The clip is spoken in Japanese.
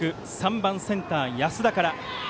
３番センター、安田から。